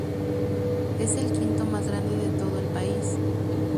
Es el quinto más grande de todo el país.